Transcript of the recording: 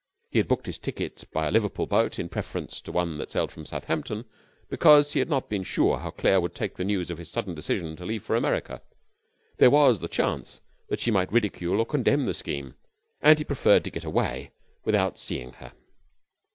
He had booked his ticket by a Liverpool boat in preference to one that sailed from Southampton because he had not been sure how Claire would take the news of his sudden decision to leave for America. There was the chance that she might ridicule or condemn the scheme, and he preferred to get away without seeing her.